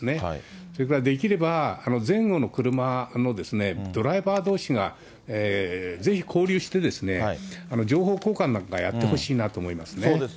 それからできれば、前後の車のドライバーどうしが、ぜひ交流してですね、情報交換なんかやってほしいなと思いますね。